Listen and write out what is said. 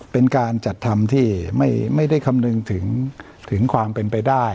เป็นการจัดทำที่ไม่ได้คำนึงถึงความเป็นไปได้